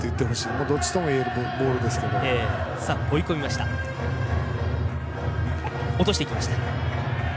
落としていきました。